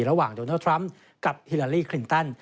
ระหว่างโดนัลดทรัมป์กับฮิลาลีคลินตัน